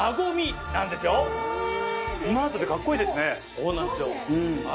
そうなんですよ。